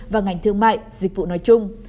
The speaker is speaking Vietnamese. và ngành thương mại dịch vụ nói chung